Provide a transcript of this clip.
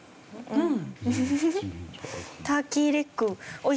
うん。